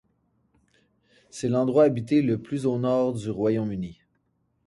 C'est l'endroit habité le plus au nord du Royaume-Uni.